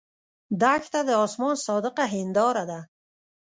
دښته د آسمان صادقه هنداره ده.